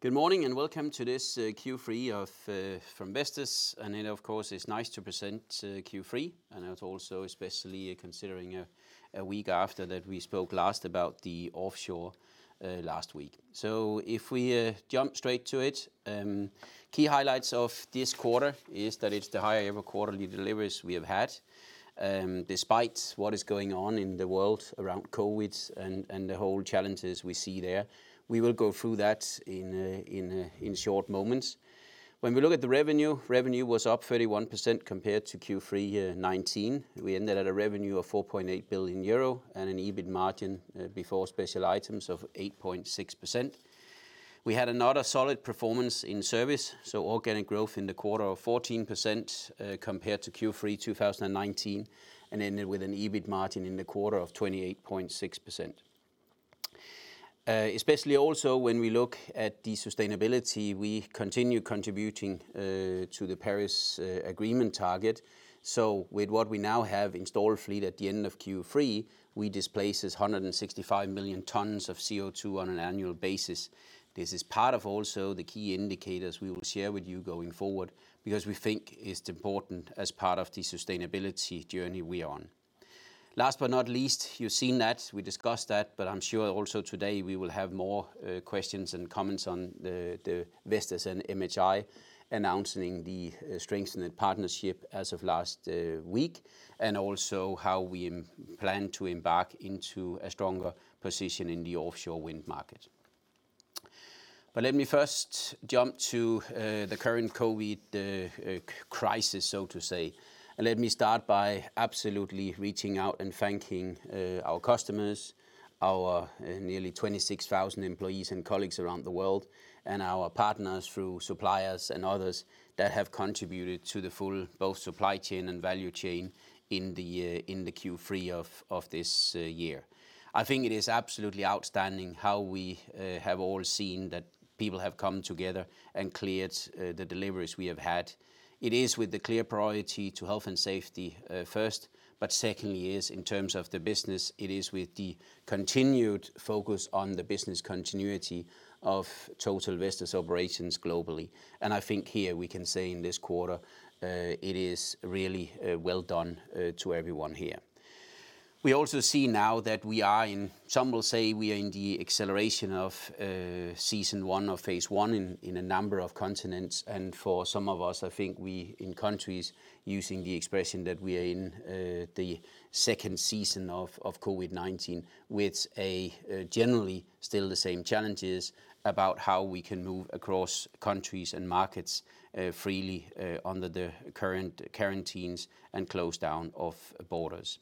Good morning, welcome to this Q3 from Vestas. It, of course, is nice to present Q3, and it's also especially considering a week after that we spoke last about the offshore last week. If we jump straight to it, key highlights of this quarter is that it's the highest-ever quarterly deliveries we have had, despite what is going on in the world around COVID-19 and the whole challenges we see there. We will go through that in short moments. When we look at the revenue was up 31% compared to Q3 2019. We ended at a revenue of 4.8 billion euro and an EBIT margin before special items of 8.6%. We had another solid performance in service, so organic growth in the quarter of 14% compared to Q3 2019, and ended with an EBIT margin in the quarter of 28.6%. Especially also, when we look at the sustainability, we continue contributing to the Paris Agreement target. With what we now have installed fleet at the end of Q3, we displace 165 million tons of CO2 on an annual basis. This is part of also the key indicators we will share with you going forward because we think it's important as part of the sustainability journey we are on. Last but not least, you've seen that, we discussed that, I'm sure also today we will have more questions and comments on the Vestas and MHI announcing the strengthened partnership as of last week, and also how we plan to embark into a stronger position in the offshore wind market. Let me first jump to the current COVID-19 crisis, so to say. Let me start by absolutely reaching out and thanking our customers, our nearly 26,000 employees and colleagues around the world, and our partners through suppliers and others that have contributed to the full both supply chain and value chain in the Q3 of this year. I think it is absolutely outstanding how we have all seen that people have come together and cleared the deliveries we have had. It is with the clear priority to health and safety first. Secondly is, in terms of the business, it is with the continued focus on the business continuity of total Vestas operations globally. I think here we can say in this quarter, it is really well done to everyone here. We also see now that some will say we are in the acceleration of season one of phase one in a number of continents. For some of us, I think we, in countries, using the expression that we are in the second season of COVID-19, with generally still the same challenges about how we can move across countries and markets freely under the current quarantines and close down of borders.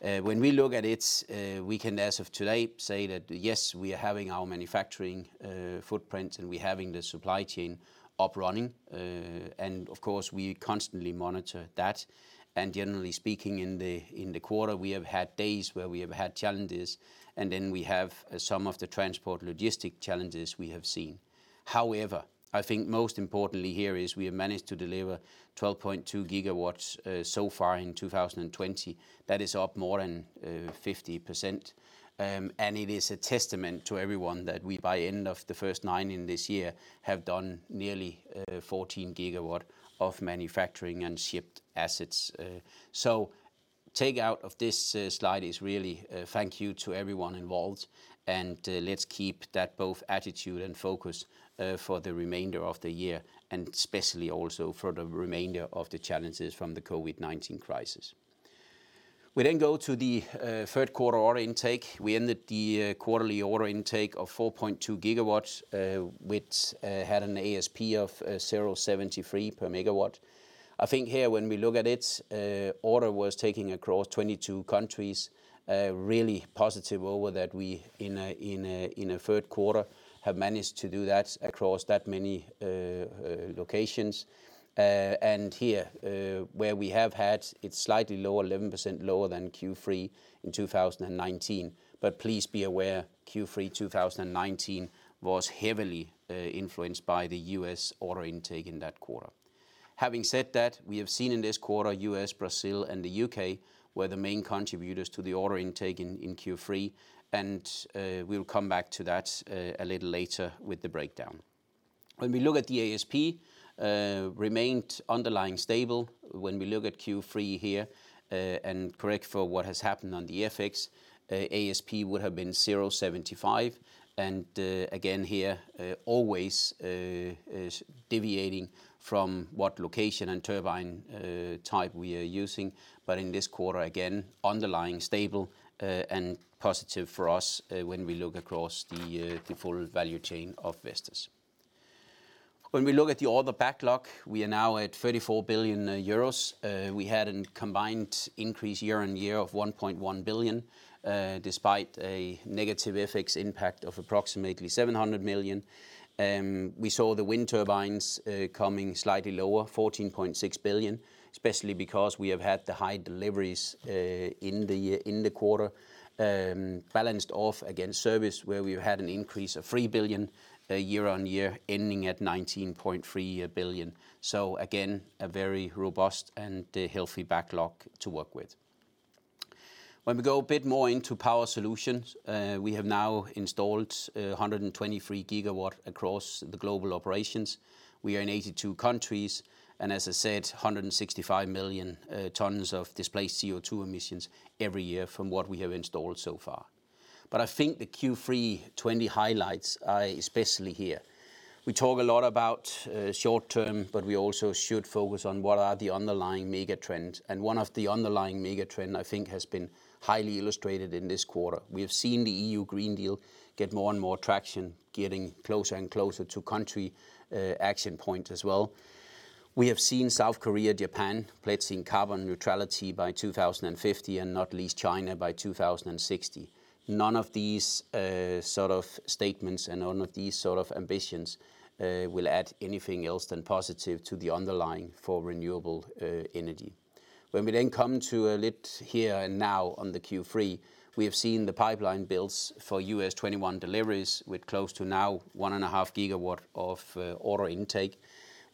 When we look at it, we can, as of today, say that, yes, we are having our manufacturing footprint, and we're having the supply chain up running. Of course, we constantly monitor that. Generally speaking, in the quarter, we have had days where we have had challenges, then we have some of the transport logistic challenges we have seen. However, I think most importantly here is we have managed to deliver 12.2 GW so far in 2020. That is up more than 50%. It is a testament to everyone that we, by end of the first nine in this year, have done nearly 14 GW of manufacturing and shipped assets. Take out of this slide is really thank you to everyone involved, and let's keep that both attitude and focus for the remainder of the year, and especially also for the remainder of the challenges from the COVID-19 crisis. We go to the third quarter order intake. We ended the quarterly order intake of 4.2 GW, which had an ASP of 0.73 per megawatt. I think here when we look at it, order was taken across 22 countries. Really positive over that we, in a third quarter, have managed to do that across that many locations. Here, where we have had, it's slightly lower, 11% lower than Q3 in 2019. Please be aware, Q3 2019 was heavily influenced by the U.S. order intake in that quarter. Having said that, we have seen in this quarter, U.S., Brazil, and the U.K. were the main contributors to the order intake in Q3, and we'll come back to that a little later with the breakdown. When we look at the ASP, remained underlying stable. When we look at Q3 here, and correct for what has happened on the FX, ASP would have been 0.75, and again here, always is deviating from what location and turbine type we are using. In this quarter, again, underlying stable and positive for us when we look across the full value chain of Vestas. When we look at the order backlog, we are now at 34 billion euros. We had a combined increase year-on-year of 1.1 billion, despite a negative FX impact of approximately 700 million. We saw the wind turbines coming slightly lower, 14.6 billion, especially because we have had the high deliveries in the quarter, balanced off against service, where we had an increase of 3 billion year-on-year, ending at 19.3 billion. Again, a very robust and healthy backlog to work with. When we go a bit more into Power Solutions, we have now installed 123 GW across the global operations. We are in 82 countries, and as I said, 165 million tons of displaced CO2 emissions every year from what we have installed so far. I think the Q3 2020 highlights are especially here. We talk a lot about short term, we also should focus on what are the underlying mega trends. One of the underlying mega trends, I think, has been highly illustrated in this quarter. We have seen the European Green Deal get more and more traction, getting closer and closer to country action points as well. We have seen South Korea, Japan pledging carbon neutrality by 2050, and not least China by 2060. None of these sort of statements and none of these sort of ambitions will add anything else than positive to the underlying for renewable energy. When we then come to a lit here and now on the Q3, we have seen the pipeline builds for U.S. 2021 deliveries with close to now 1.5 GW of order intake.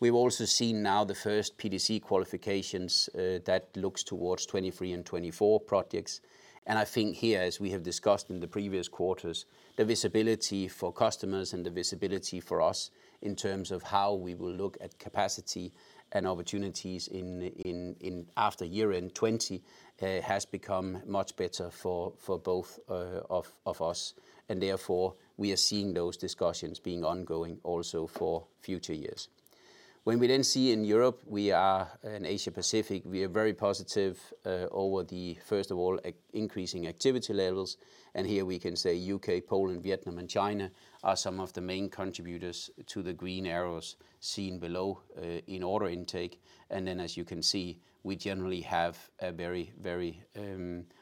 We've also seen now the first PTC qualifications that looks towards 2023 and 2024 projects. I think here, as we have discussed in the previous quarters, the visibility for customers and the visibility for us in terms of how we will look at capacity and opportunities after year end 2020 has become much better for both of us, and therefore, we are seeing those discussions being ongoing also for future years. We then see in Europe and Asia Pacific, we are very positive over the first of all, increasing activity levels, and here we can say U.K., Poland, Vietnam, and China are some of the main contributors to the green arrows seen below in order intake. Then, as you can see, we generally have a very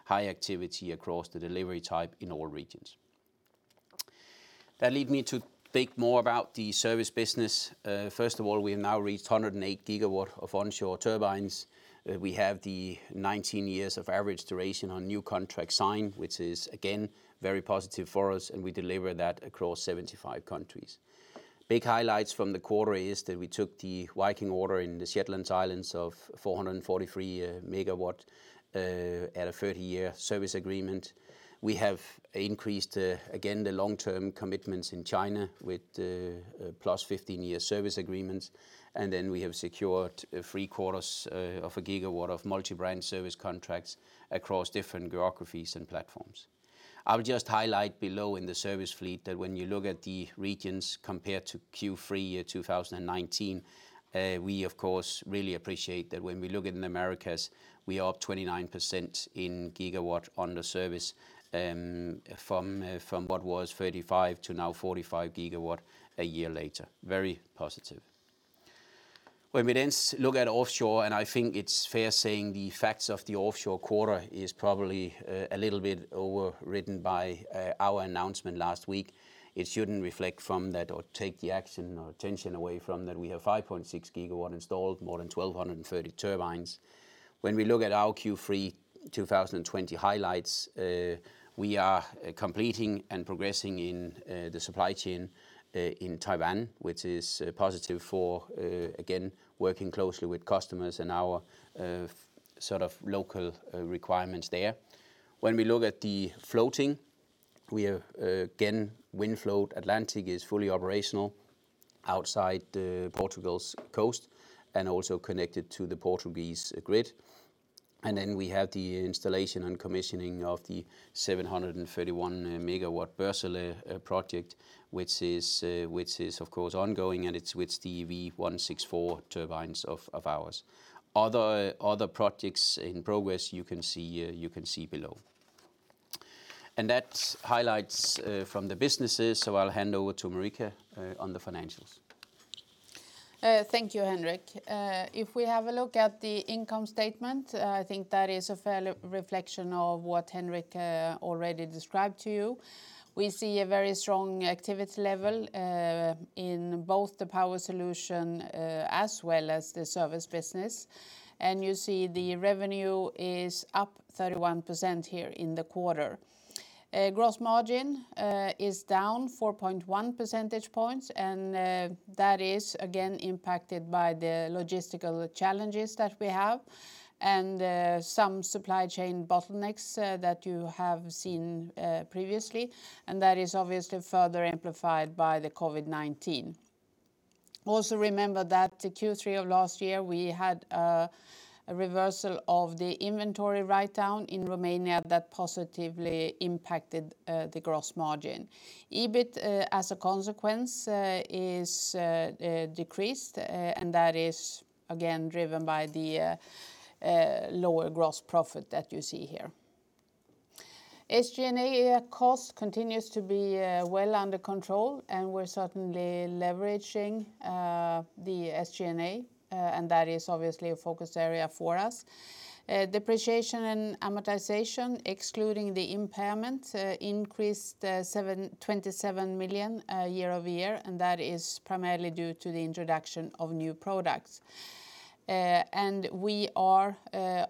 high activity across the delivery type in all regions. That lead me to think more about the service business. First of all, we have now reached 108 GW of onshore turbines. We have the 19 years of average duration on new contract signed, which is again, very positive for us, and we deliver that across 75 countries. Big highlights from the quarter is that we took the Viking order in the Shetland Islands of 443 MW at a 30-year service agreement. We have increased, again, the long-term commitments in China with +15-year service agreements. We have secured three-quarters of a gigawatt of multi-brand service contracts across different geographies and platforms. I would just highlight below in the service fleet that when you look at the regions compared to Q3 2019, we of course really appreciate that when we look at the Americas, we are up 29% in gigawatt under service, from what was 35 GW to now 45 GW a year later. Very positive. When we then look at offshore, I think it's fair saying the facts of the offshore quarter is probably a little bit overridden by our announcement last week. It shouldn't reflect from that or take the action or attention away from that. We have 5.6 GW installed, more than 1,230 turbines. When we look at our Q3 2020 highlights, we are completing and progressing in the supply chain in Taiwan, which is positive for, again, working closely with customers and our local requirements there. When we look at the floating, again, WindFloat Atlantic is fully operational outside Portugal's coast, and also connected to the Portuguese grid. Then we have the installation and commissioning of the 731 MW Borssele project, which is of course ongoing, and it's with the V164 turbines of ours. Other projects in progress you can see below. That's highlights from the businesses. I'll hand over to Marika on the financials. Thank you, Henrik. If we have a look at the income statement, I think that is a fair reflection of what Henrik already described to you. We see a very strong activity level in both the Power Solutions as well as the service business. You see the revenue is up 31% here in the quarter. Gross margin is down 4.1 percentage points, and that is again impacted by the logistical challenges that we have and some supply chain bottlenecks that you have seen previously. That is obviously further amplified by the COVID-19. Also remember that the Q3 of last year, we had a reversal of the inventory write-down in Romania that positively impacted the gross margin. EBIT, as a consequence, is decreased, and that is, again, driven by the lower gross profit that you see here. SG&A cost continues to be well under control. We're certainly leveraging the SG&A, and that is obviously a focus area for us. Depreciation and amortization, excluding the impairment, increased 27 million year-over-year. That is primarily due to the introduction of new products. We are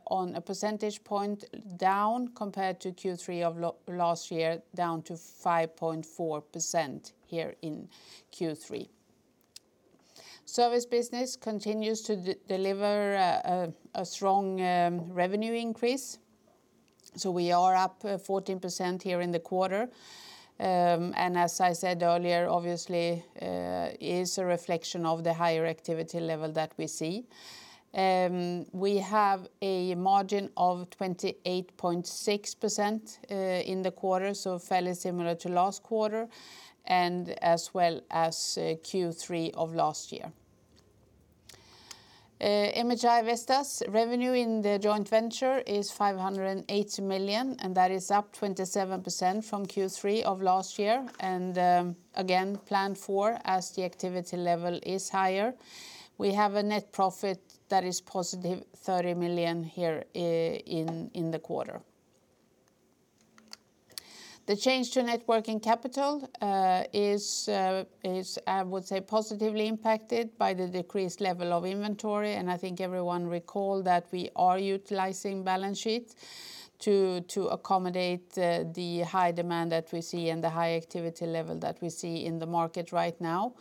on a percentage point down compared to Q3 of last year, down to 5.4% here in Q3. Service business continues to deliver a strong revenue increase. We are up 14% here in the quarter, and as I said earlier, obviously, it is a reflection of the higher activity level that we see. We have a margin of 28.6% in the quarter, fairly similar to last quarter and as well as Q3 of last year. MHI Vestas revenue in the joint venture is 580 million. That is up 27% from Q3 of last year. Again, planned for as the activity level is higher. We have a net profit that is +30 million here in the quarter. The change to net working capital is, I would say, positively impacted by the decreased level of inventory. I think everyone recalls that we are utilizing balance sheet to accommodate the high demand that we see and the high activity level that we see in the market right now.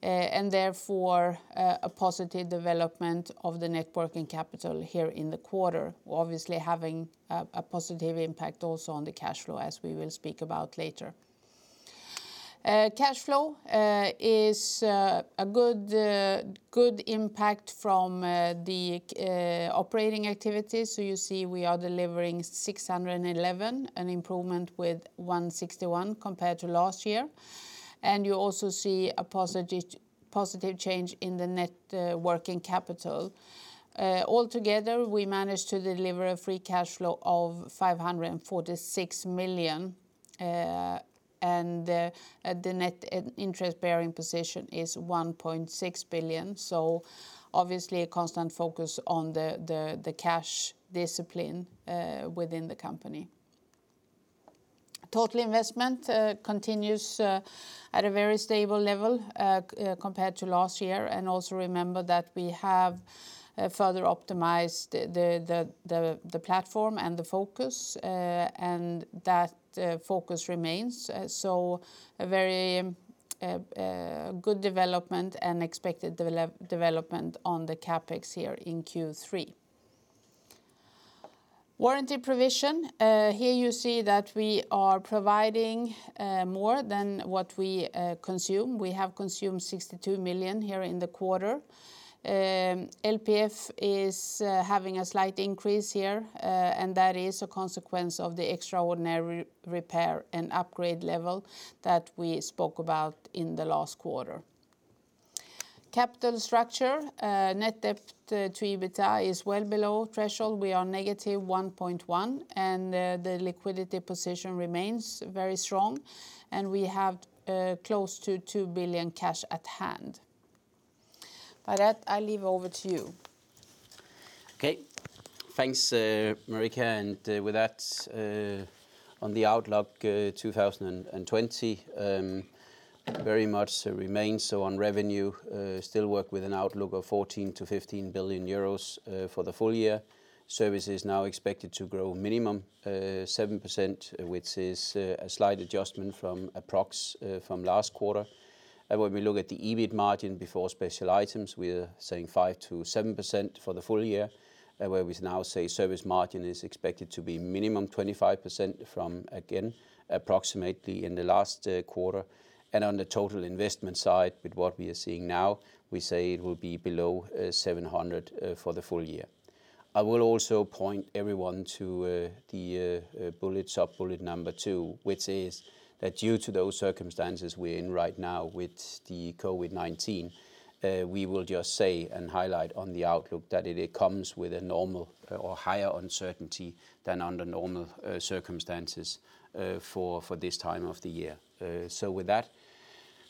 Therefore, a positive development of the net working capital here in the quarter, obviously having a positive impact also on the cash flow, as we will speak about later. Cash flow is a good impact from the operating activities. You see we are delivering 611 million, an improvement with 161 million compared to last year. You also see a positive change in the net working capital. We managed to deliver a free cash flow of 546 million, the net interest-bearing position is 1.6 billion. Obviously, a constant focus on the cash discipline within the company. Total investment continues at a very stable level compared to last year. Also remember that we have further optimized the platform and the focus, and that focus remains. A very good development and expected development on the CapEx here in Q3. Warranty provision. Here you see that we are providing more than what we consume. We have consumed 62 million here in the quarter. LPF is having a slight increase here, and that is a consequence of the extraordinary repair and upgrade level that we spoke about in the last quarter. Capital structure. Net debt to EBITDA is well below threshold. We are -1.1 and the liquidity position remains very strong, and we have close to 2 billion cash at hand. With that, I leave over to you. Okay. Thanks, Marika. With that, on the outlook 2020, very much remains so on revenue. We still work with an outlook of 14 billion-15 billion euros for the full year. Service is now expected to grow minimum 7%, which is a slight adjustment from approx last quarter. When we look at the EBIT margin before special items, we are saying 5%-7% for the full year, where we now say service margin is expected to be minimum 25% from, again, approximately in the last quarter. On the total investment side, with what we are seeing now, we say it will be below 700 million for the full year. I will also point everyone to the sub-bullet number two, which is that due to those circumstances we're in right now with the COVID-19, we will just say and highlight on the outlook that it comes with a normal or higher uncertainty than under normal circumstances for this time of the year. With that,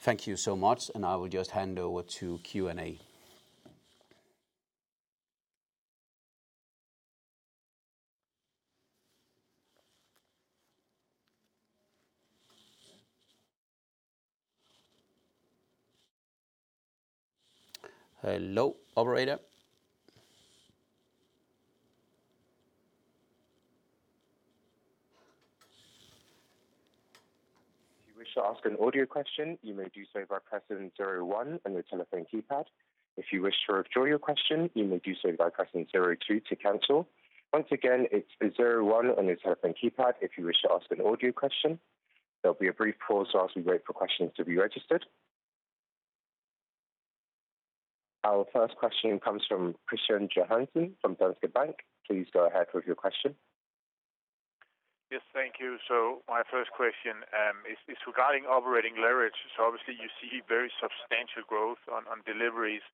thank you so much, and I will just hand over to Q&A. Hello, operator. If you wish to ask an audio question, you may do so by pressing 01 on your telephone keypad. If you wish to withdraw your question, you may do so by pressing 02 to cancel. Once again, it's 01 on your telephone keypad if you wish to ask an audio question. There'll be a brief pause as we wait for questions to be registered. Our first question comes from Kristian Johansen from Danske Bank. Please go ahead with your question. Yes. Thank you. My first question is regarding operating leverage. Obviously you see very substantial growth on deliveries,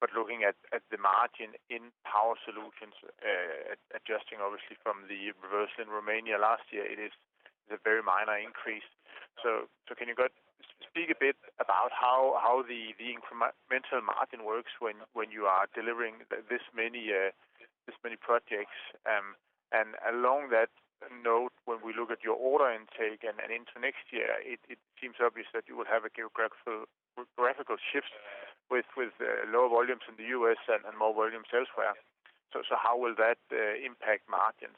but looking at the margin in Power Solutions, adjusting obviously from the reversal in Romania last year, it is a very minor increase. Can you speak a bit about how the incremental margin works when you are delivering this many projects? Along that note, when we look at your order intake and into next year, it seems obvious that you will have geographical shifts with lower volumes in the U.S. and more volumes elsewhere. How will that impact margins?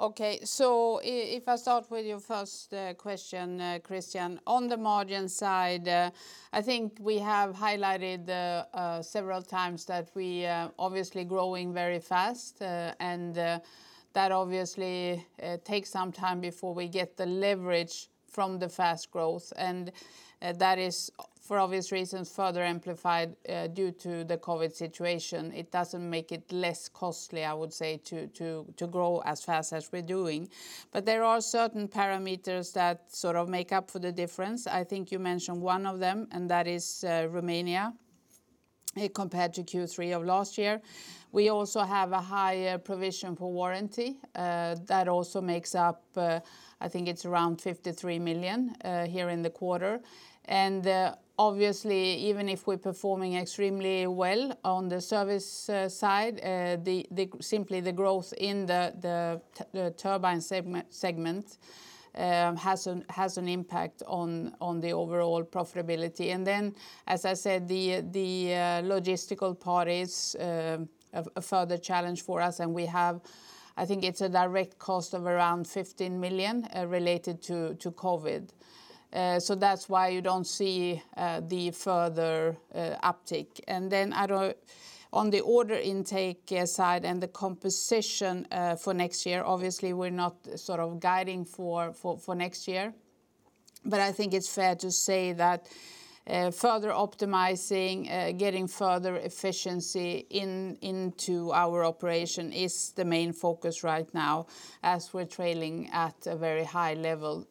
Okay. If I start with your first question, Kristian, on the margin side, I think we have highlighted several times that we are obviously growing very fast, and that obviously takes some time before we get the leverage from the fast growth. That is, for obvious reasons, further amplified due to the COVID-19 situation. It doesn't make it less costly, I would say, to grow as fast as we're doing. There are certain parameters that sort of make up for the difference. I think you mentioned one of them, that is Romania compared to Q3 of last year. We also have a higher provision for warranty. That also makes up, I think it's around 53 million here in the quarter. Obviously even if we're performing extremely well on the service side, simply the growth in the turbine segment has an impact on the overall profitability. As I said, the logistical part is a further challenge for us, and we have, I think it's a direct cost of around 15 million related to COVID. That's why you don't see the further uptick. On the order intake side and the composition for next year, obviously we're not guiding for next year, but I think it's fair to say that further optimizing, getting further efficiency into our operation is the main focus right now as we're trailing at a very high level.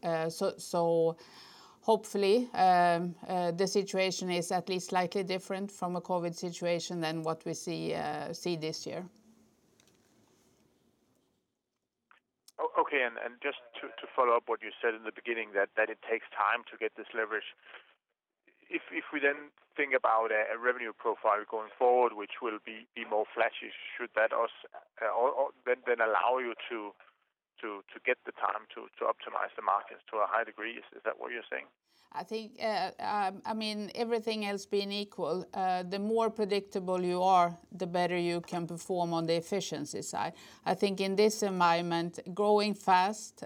Hopefully, the situation is at least slightly different from a COVID situation than what we see this year. Okay. Just to follow up what you said in the beginning, that it takes time to get this leverage. If we then think about a revenue profile going forward, which will be more flattish, should that then allow you to get the time to optimize the markets to a high degree? Is that what you're saying? I think, everything else being equal, the more predictable you are, the better you can perform on the efficiency side. I think in this environment, growing fast,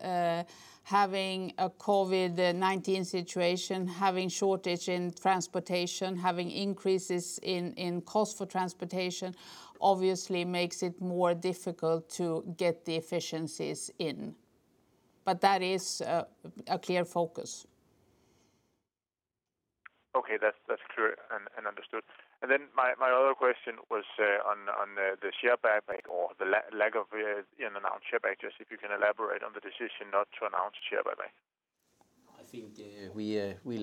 having a COVID-19 situation, having shortage in transportation, having increases in cost for transportation obviously makes it more difficult to get the efficiencies in. But that is a clear focus. Okay. That's clear and understood. My other question was on the share buyback or the lack of an announced share buyback, just if you can elaborate on the decision not to announce share buyback. I think we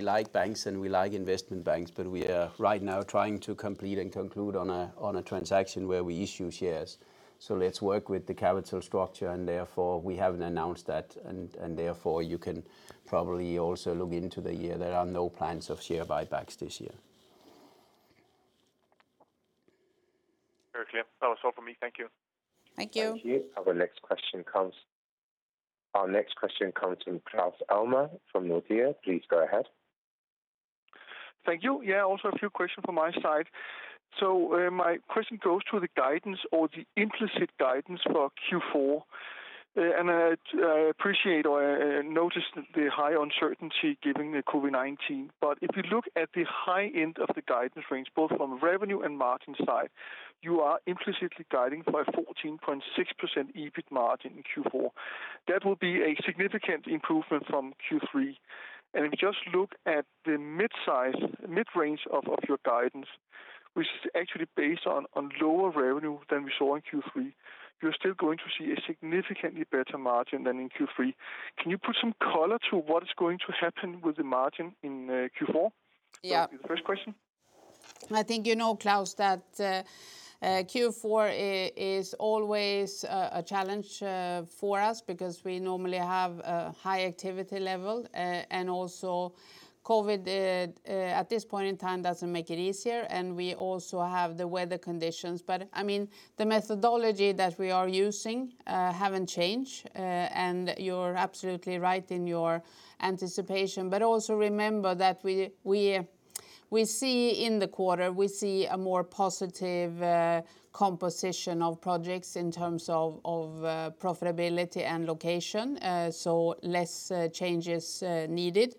like banks and we like investment banks, but we are right now trying to complete and conclude on a transaction where we issue shares. Let's work with the capital structure. Therefore, we haven't announced that. Therefore, you can probably also look into the year. There are no plans of share buybacks this year. Very clear. That was all from me. Thank you. Thank you. Thank you. Our next question comes from Claus Almer from Nordea. Please go ahead. Thank you. Also a few questions from my side. My question goes to the guidance or the implicit guidance for Q4, I appreciate or notice the high uncertainty given the COVID-19. If you look at the high end of the guidance range, both from revenue and margin side, you are implicitly guiding for 14.6% EBIT margin in Q4. That will be a significant improvement from Q3. If you just look at the mid-range of your guidance, which is actually based on lower revenue than we saw in Q3, you're still going to see a significantly better margin than in Q3. Can you put some color to what is going to happen with the margin in Q4? Yeah. That would be the first question. I think you know, Claus, that Q4 is always a challenge for us because we normally have a high activity level. Also COVID, at this point in time, doesn't make it easier, and we also have the weather conditions. The methodology that we are using haven't changed, and you're absolutely right in your anticipation. Also remember that in the quarter, we see a more positive composition of projects in terms of profitability and location, so less changes needed.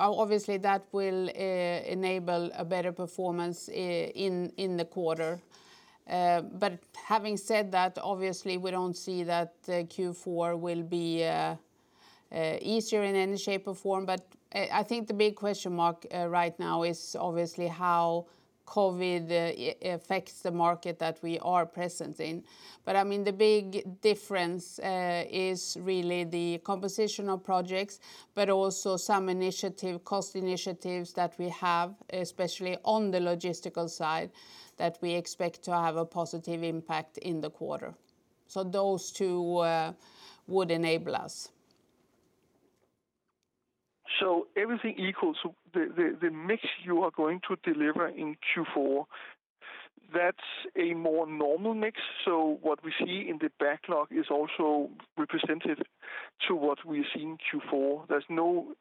Obviously that will enable a better performance in the quarter. Having said that, obviously we don't see that Q4 will be easier in any shape or form. I think the big question mark right now is obviously how COVID affects the market that we are present in. The big difference is really the composition of projects, but also some cost initiatives that we have, especially on the logistical side, that we expect to have a positive impact in the quarter. Those two would enable us. Everything equal, the mix you are going to deliver in Q4, that's a more normal mix. What we see in the backlog is also represented to what we see in Q4. There's no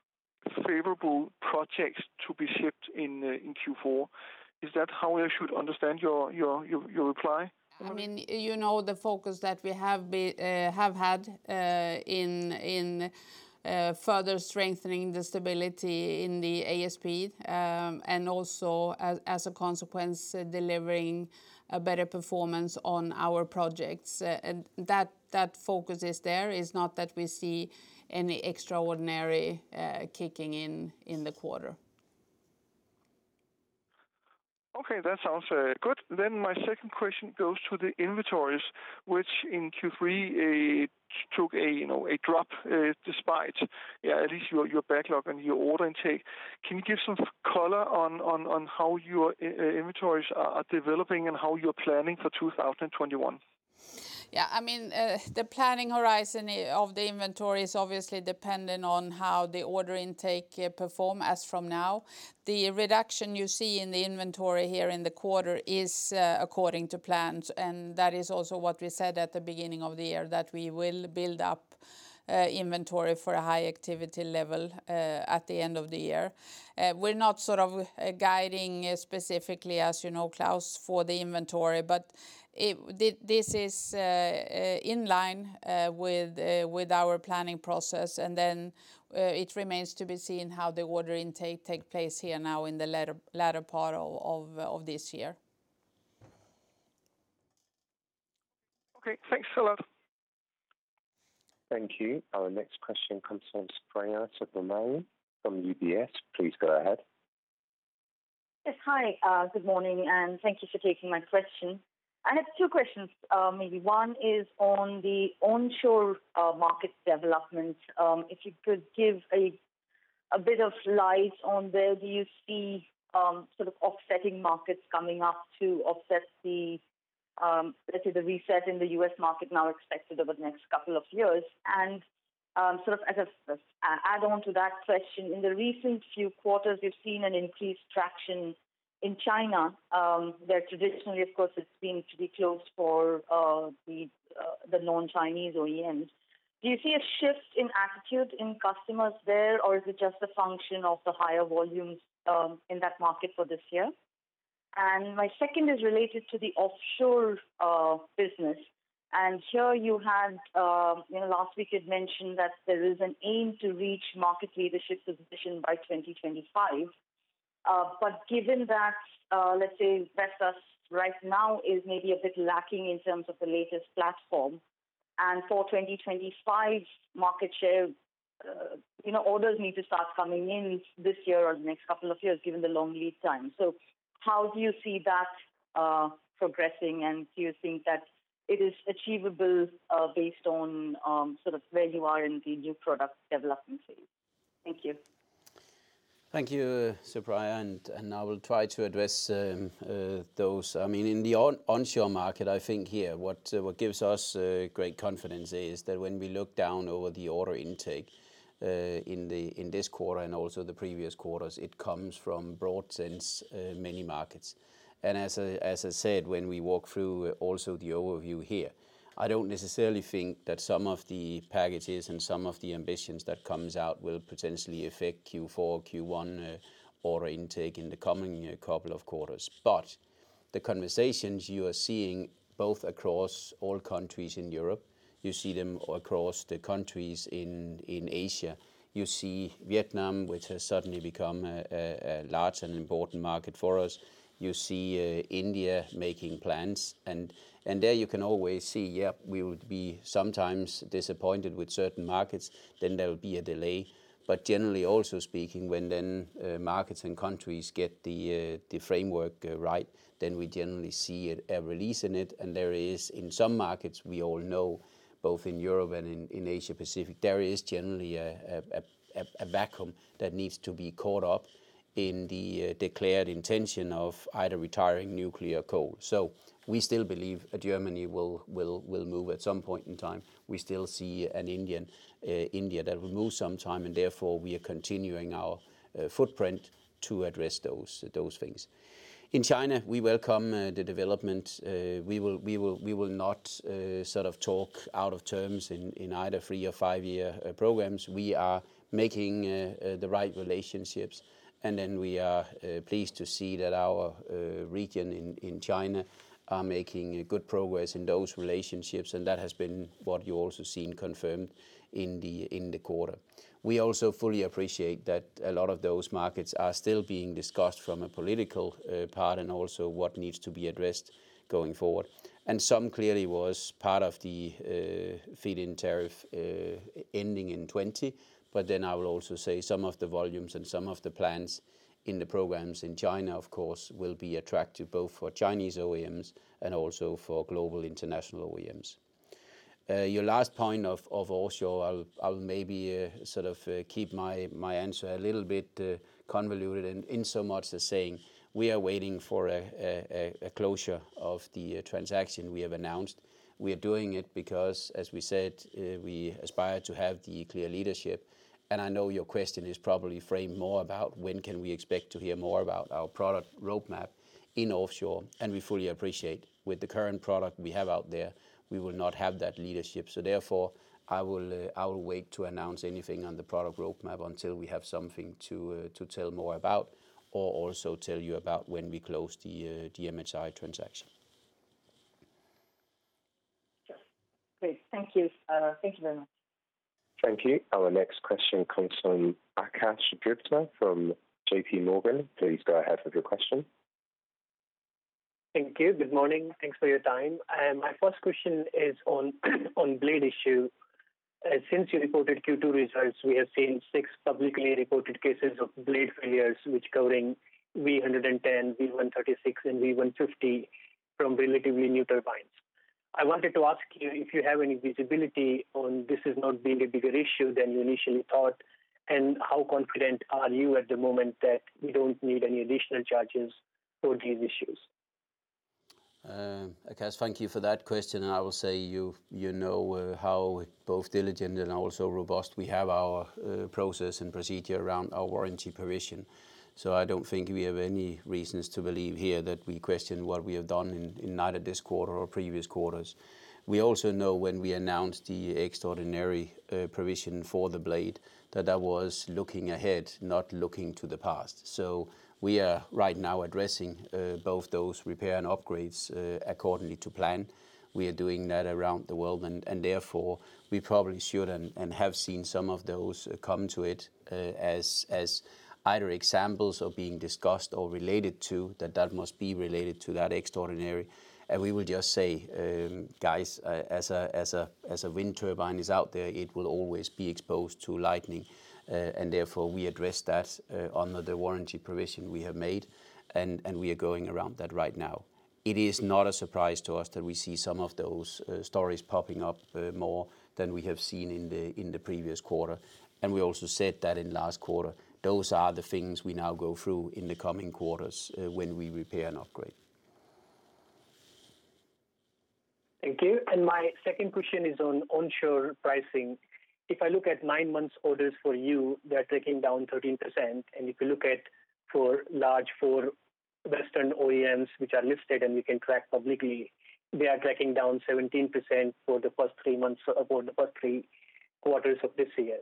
favorable projects to be shipped in Q4. Is that how I should understand your reply? The focus that we have had in further strengthening the stability in the ASP, and also, as a consequence, delivering a better performance on our projects. That focus is there. It's not that we see any extraordinary kicking in the quarter. Okay, that sounds good. My second question goes to the inventories, which in Q3 took a drop, despite at least your backlog and your order intake. Can you give some color on how your inventories are developing and how you're planning for 2021? Yeah. The planning horizon of the inventory is obviously dependent on how the order intake perform as from now. The reduction you see in the inventory here in the quarter is according to plans. That is also what we said at the beginning of the year, that we will build up inventory for a high activity level at the end of the year. We're not guiding specifically, as you know, Claus, for the inventory. This is inline with our planning process. It remains to be seen how the order intake take place here now in the latter part of this year. Okay, thanks a lot. Thank you. Our next question comes from Supriya Subramanian from UBS. Please go ahead. Yes. Hi, good morning, and thank you for taking my question. I have two questions, maybe. One is on the onshore market development. If you could give a bit of light on where do you see offsetting markets coming up to offset the, let's say, the reset in the U.S. market now expected over the next couple of years. As an add-on to that question, in the recent few quarters, we've seen an increased traction in China, where traditionally, of course, it's been to be closed for the non-Chinese OEMs. Do you see a shift in attitude in customers there, or is it just a function of the higher volumes in that market for this year? My second is related to the offshore business. Here last week you'd mentioned that there is an aim to reach market leadership position by 2025. Given that, let's say Vestas right now is maybe a bit lacking in terms of the latest platform, and for 2025 market share, orders need to start coming in this year or the next couple of years, given the long lead time. How do you see that progressing, and do you think that it is achievable based on where you are in the new product development phase? Thank you. Thank you, Supriya. I will try to address those. In the onshore market, I think here, what gives us great confidence is that when we look down over the order intake in this quarter and also the previous quarters, it comes from broad sense, many markets. As I said, when we walk through also the overview here, I don't necessarily think that some of the packages and some of the ambitions that comes out will potentially affect Q4, Q1 order intake in the coming couple of quarters. The conversations you are seeing, both across all countries in Europe, you see them across the countries in Asia. You see Vietnam, which has suddenly become a large and important market for us. You see India making plans. There you can always see, yeah, we would be sometimes disappointed with certain markets, then there will be a delay. Generally also speaking, when then markets and countries get the framework right, then we generally see a release in it. There is, in some markets we all know, both in Europe and in Asia Pacific, there is generally a vacuum that needs to be caught up in the declared intention of either retiring nuclear coal. We still believe Germany will move at some point in time. We still see an India that will move sometime, and therefore, we are continuing our footprint to address those things. In China, we welcome the development. We will not talk out of terms in either three or five-year programs. We are making the right relationships, and then we are pleased to see that our region in China are making good progress in those relationships, and that has been what you also seen confirmed in the quarter. We also fully appreciate that a lot of those markets are still being discussed from a political part and also what needs to be addressed going forward. Some clearly was part of the feed-in tariff ending in 2020. I will also say some of the volumes and some of the plans in the programs in China, of course, will be attractive both for Chinese OEMs and also for global international OEMs. Your last point of offshore, I'll maybe keep my answer a little bit convoluted and in so much as saying we are waiting for a closure of the transaction we have announced. We are doing it because, as we said, we aspire to have the clear leadership. I know your question is probably framed more about when can we expect to hear more about our product roadmap in offshore, and we fully appreciate. With the current product we have out there, we will not have that leadership. Therefore, I will wait to announce anything on the product roadmap until we have something to tell more about, or also tell you about when we close the MHI transaction. Great. Thank you. Thank you very much. Thank you. Our next question comes from Akash Gupta from JPMorgan. Please go ahead with your question. Thank you. Good morning. Thanks for your time. My first question is on blade issue. Since you reported Q2 results, we have seen six publicly reported cases of blade failures, which covering V110, V136, and V150 from relatively new turbines. I wanted to ask you if you have any visibility on this not being a bigger issue than you initially thought, and how confident are you at the moment that we don't need any additional charges for these issues? Akash, thank you for that question. I will say, you know how both diligent and also robust we have our process and procedure around our warranty provision. I don't think we have any reasons to believe here that we question what we have done in neither this quarter or previous quarters. We also know when we announced the extraordinary provision for the blade, that that was looking ahead, not looking to the past. We are right now addressing both those repair and upgrades accordingly to plan. We are doing that around the world. Therefore, we probably should and have seen some of those come to it as either examples of being discussed or related to, that must be related to that extraordinary. We will just say, guys, as a wind turbine is out there, it will always be exposed to lightning, and therefore, we address that under the warranty provision we have made, and we are going around that right now. It is not a surprise to us that we see some of those stories popping up more than we have seen in the previous quarter, and we also said that in the last quarter. Those are the things we now go through in the coming quarters when we repair and upgrade. Thank you. My second question is on onshore pricing. If I look at nine months orders for you, they are tracking down 13%, and if you look at for large four Western OEMs which are listed and we can track publicly, they are tracking down 17% for the first three quarters of this year.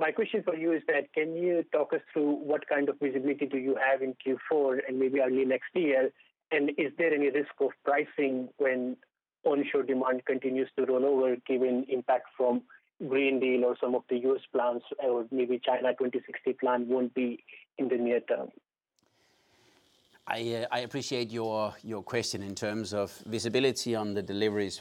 My question for you is that, can you talk us through what kind of visibility do you have in Q4 and maybe early next year, and is there any risk of pricing when onshore demand continues to roll over, given impact from European Green Deal or some of the U.S. plans or maybe China 2060 plan won't be in the near term? I appreciate your question. In terms of visibility on the deliveries,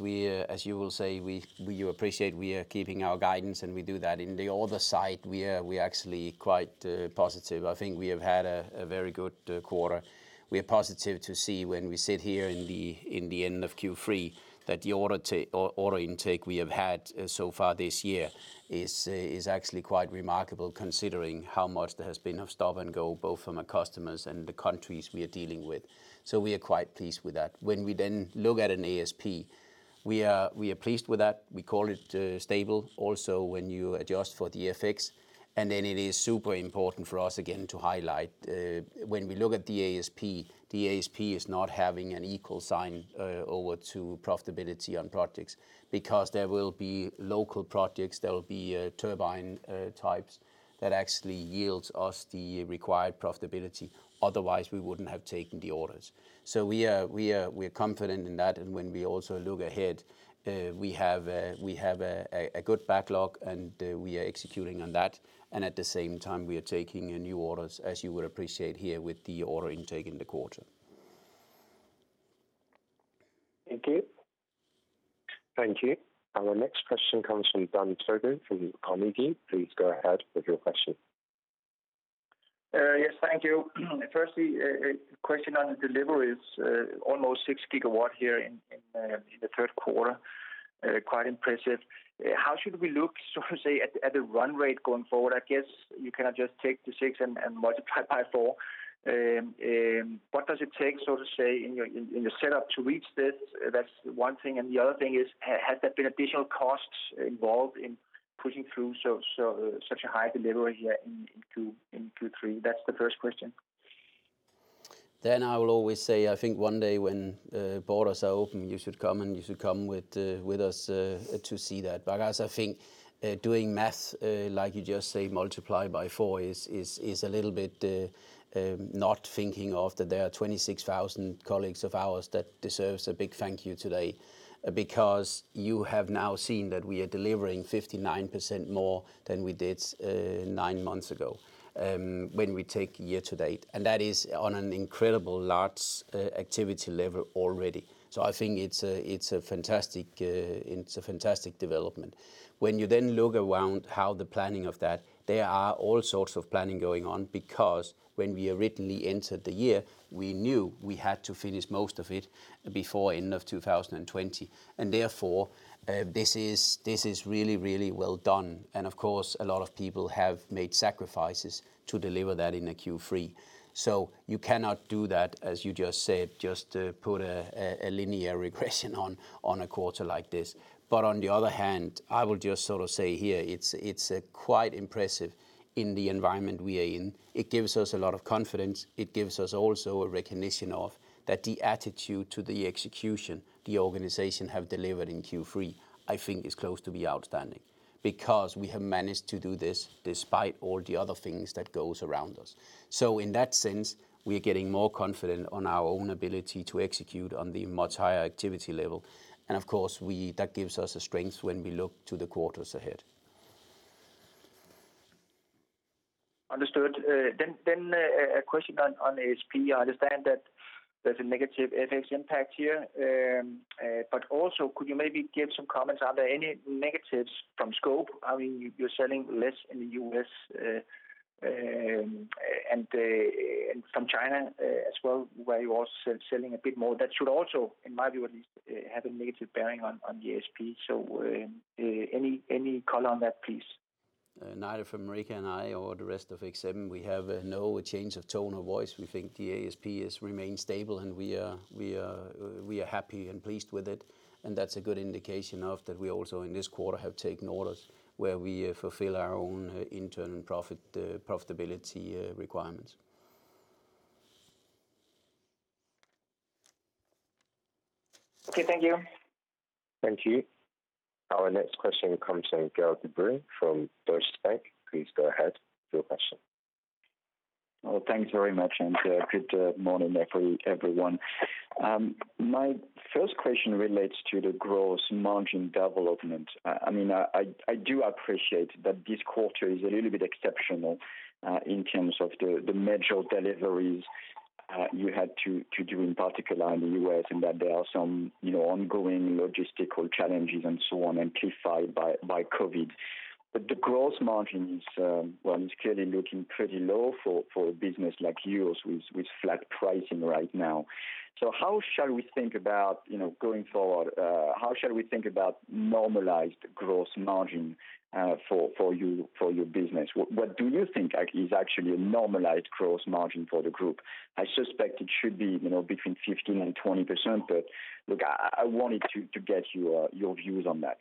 as you will see, we appreciate we are keeping our guidance, and we do that. In the order side, we are actually quite positive. I think we have had a very good quarter. We are positive to see when we sit here in the end of Q3 that the order intake we have had so far this year is actually quite remarkable, considering how much there has been of stop and go, both from our customers and the countries we are dealing with. We are quite pleased with that. We then look at an ASP, we are pleased with that. We call it stable. When you adjust for the FX. It is super important for us again to highlight, when we look at the ASP, the ASP is not having an equal sign over to profitability on projects, because there will be local projects, there will be turbine types that actually yields us the required profitability, otherwise we wouldn't have taken the orders. We are confident in that, and when we also look ahead, we have a good backlog, and we are executing on that, and at the same time, we are taking in new orders, as you would appreciate here with the order intake in the quarter. Thank you. Thank you. Our next question comes from Dan Togo from Carnegie. Please go ahead with your question. Yes. Thank you. Firstly, a question on the deliveries. Almost 6 GW here in the third quarter. Quite impressive. How should we look, so to say, at the run rate going forward? I guess you cannot just take the six and multiply by four. What does it take, so to say, in the setup to reach this? That's one thing. The other thing is, has there been additional costs involved in pushing through such a high delivery here in Q3? That's the first question. Dan, I will always say, I think one day when borders are open, you should come, and you should come with us to see that. As I think, doing math, like you just say, multiply by four, is a little bit not thinking of that there are 26,000 colleagues of ours that deserves a big thank you today. You have now seen that we are delivering 59% more than we did nine months ago, when we take year-to-date, and that is on an incredible large activity level already. I think it's a fantastic development. When you then look around how the planning of that, there are all sorts of planning going on because when we originally entered the year, we knew we had to finish most of it before end of 2020. Therefore, this is really, really well done. Of course, a lot of people have made sacrifices to deliver that in the Q3. You cannot do that, as you just said, just put a linear regression on a quarter like this. On the other hand, I would just sort of say here, it's quite impressive in the environment we are in. It gives us a lot of confidence. It gives us also a recognition of that the attitude to the execution the organization have delivered in Q3, I think is close to be outstanding. We have managed to do this despite all the other things that goes around us. In that sense, we are getting more confident on our own ability to execute on the much higher activity level. Of course, that gives us a strength when we look to the quarters ahead. Understood. A question on ASP. I understand that there's a negative FX impact here. Also, could you maybe give some comments? Are there any negatives from scope? I mean, you're selling less in the U.S., and from China as well, where you are selling a bit more. That should also, in my view at least, have a negative bearing on the ASP. Any color on that, please? Neither for Marika and I or the rest of X7, we have no change of tone of voice. We think the ASP has remained stable, and we are happy and pleased with it, and that's a good indication of that we also in this quarter have taken orders where we fulfill our own internal profitability requirements. Okay, thank you. Thank you. Our next question comes from Gael de Bray from Deutsche Bank. Please go ahead with your question. Well, thanks very much, good morning, everyone. My first question relates to the gross margin development. I do appreciate that this quarter is a little bit exceptional, in terms of the major deliveries you had to do, in particular in the U.S., that there are some ongoing logistical challenges and so on, amplified by COVID-19. The gross margin is clearly looking pretty low for a business like yours with flat pricing right now. How shall we think about going forward? How shall we think about normalized gross margin for your business? What do you think is actually a normalized gross margin for the group? I suspect it should be between 15%-20%, look, I wanted to get your views on that.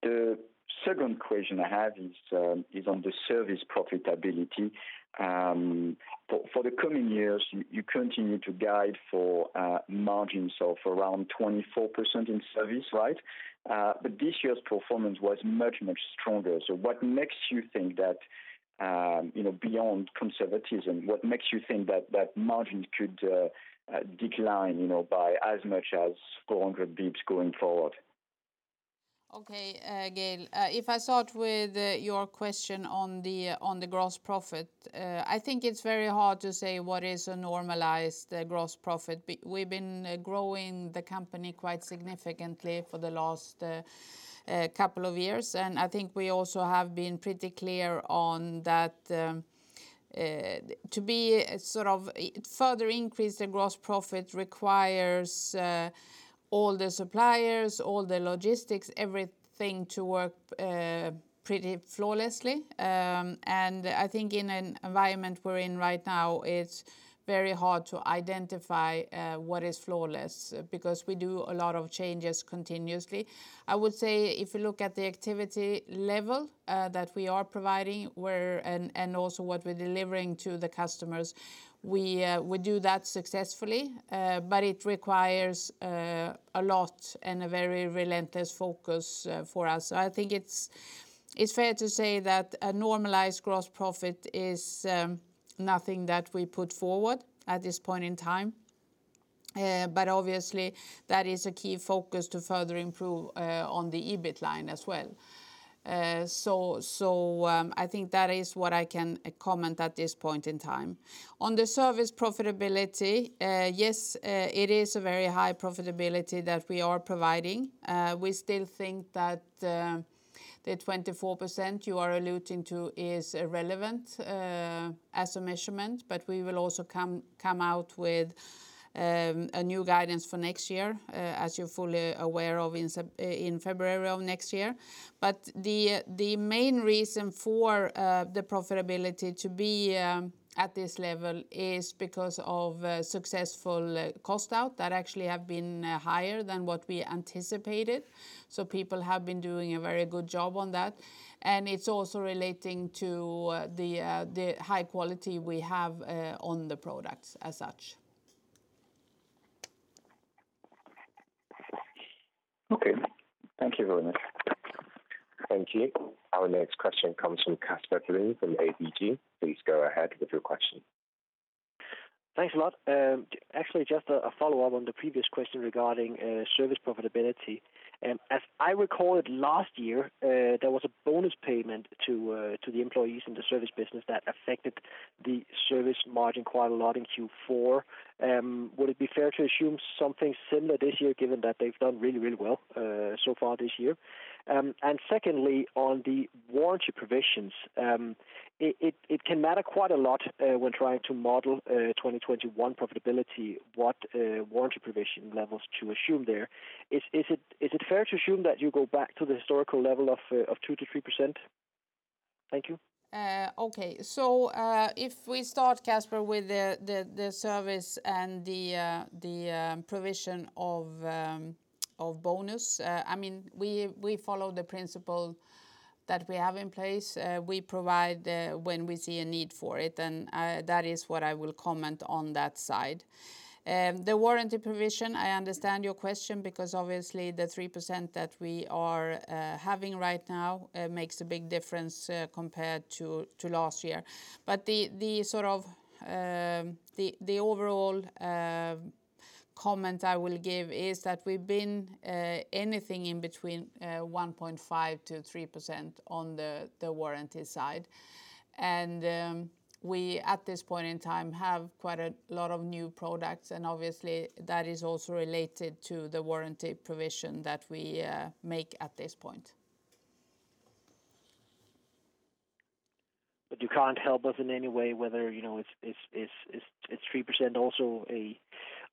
The second question I have is on the service profitability. For the coming years, you continue to guide for margins of around 24% in service right? This year's performance was much stronger. What makes you think that, beyond conservatism, what makes you think that margin could decline by as much as 400 basis points going forward? Okay, Gael. If I start with your question on the gross profit, I think it's very hard to say what is a normalized gross profit. We've been growing the company quite significantly for the last couple of years, I think we also have been pretty clear on that to be sort of further increase the gross profit requires all the suppliers, all the logistics, everything to work pretty flawlessly. I think in an environment we're in right now, it's very hard to identify what is flawless because we do a lot of changes continuously. I would say if you look at the activity level that we are providing, and also what we're delivering to the customers, we do that successfully. It requires a lot and a very relentless focus for us. I think it's fair to say that a normalized gross profit is nothing that we put forward at this point in time. Obviously that is a key focus to further improve on the EBIT line as well. I think that is what I can comment at this point in time. On the service profitability, yes, it is a very high profitability that we are providing. We still think that the 24% you are alluding to is irrelevant as a measurement, but we will also come out with a new guidance for next year, as you're fully aware of, in February of next year. The main reason for the profitability to be at this level is because of successful cost out that actually have been higher than what we anticipated. People have been doing a very good job on that, and it's also relating to the high quality we have on the products as such. Okay. Thank you very much. Thank you. Our next question comes from Casper Blom from ABG. Please go ahead with your question. Thanks a lot. Actually, just a follow-up on the previous question regarding service profitability. As I recall it last year, there was a bonus payment to the employees in the service business that affected the service margin quite a lot in Q4. Would it be fair to assume something similar this year given that they've done really, really well so far this year? Secondly, on the warranty provisions, it can matter quite a lot when trying to model 2021 profitability what warranty provision levels to assume there. Is it fair to assume that you go back to the historical level of 2%-3%? Thank you. Okay. If we start, Casper, with the service and the provision of bonus, we follow the principle that we have in place. We provide when we see a need for it, that is what I will comment on that side. The warranty provision, I understand your question because obviously the 3% that we are having right now makes a big difference compared to last year. The overall comment I will give is that we've been anything in between 1.5%-3% on the warranty side. We, at this point in time, have quite a lot of new products, and obviously, that is also related to the warranty provision that we make at this point. You can't help us in any way, whether it's 3% also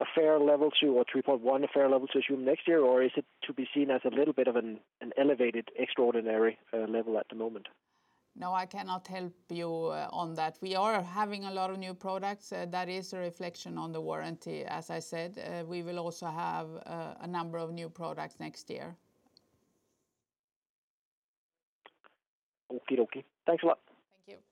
a fair level, or 3.1% a fair level to assume next year, or is it to be seen as a little bit of an elevated, extraordinary level at the moment? No, I cannot help you on that. We are having a lot of new products. That is a reflection on the warranty, as I said. We will also have a number of new products next year. Okey-dokey. Thanks a lot. Thank you.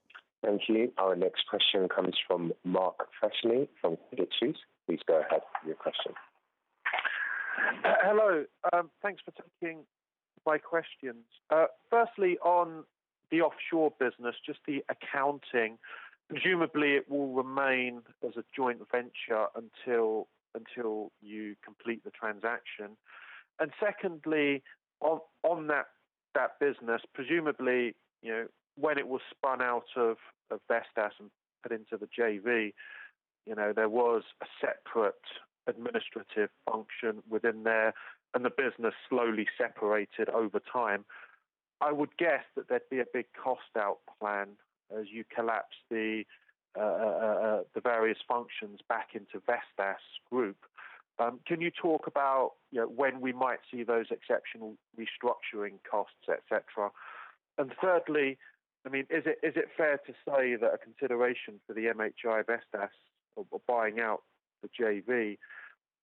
Thank you. Our next question comes from Mark Freshney from Credit Suisse. Please go ahead with your question. Hello. Thanks for taking my questions. Firstly, on the offshore business, just the accounting, presumably it will remain as a joint venture until you complete the transaction. Secondly, on that business, presumably, when it was spun out of Vestas and put into the JV, there was a separate administrative function within there, and the business slowly separated over time. I would guess that there'd be a big cost-out plan as you collapse the various functions back into Vestas Group. Can you talk about when we might see those exceptional restructuring costs, et cetera? Thirdly, is it fair to say that a consideration for the MHI Vestas of buying out the JV